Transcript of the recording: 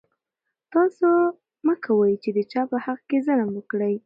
تاسو مه کوئ چې د چا په حق کې ظلم وکړئ.